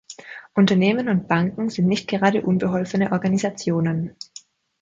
Unternehmen und Banken sind nicht gerade unbeholfene Organisationen.